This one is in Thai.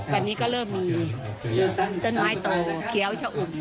วันนี้ก็เริ่มมีต้นไม้โตเคี้ยวชะอุ่ม